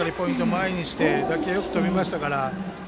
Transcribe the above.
前にして打球はよく飛びましたから。